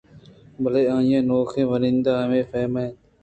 بلے آئی ءِ نوکیں واہُند ءَ ہمے فہم اِت